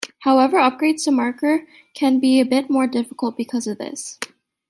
However, upgrades to the marker can be a bit more difficult because of this.